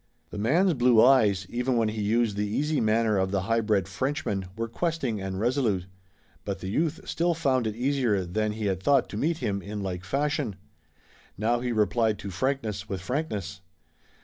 The man's blue eyes, even when he used the easy manner of the high bred Frenchman, were questing and resolute. But the youth still found it easier than he had thought to meet him in like fashion. Now he replied to frankness with frankness.